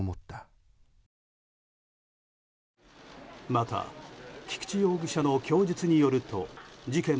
また菊池容疑者の供述によると事件